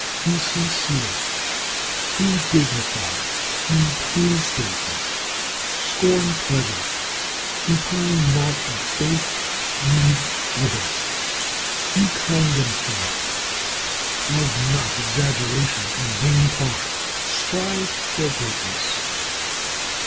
Be sincere, be dignified, be painstaking; scorn pleasure, repine not at fate, need little; be kind and frank; love not exaggeration and vain talk; strive after greatness.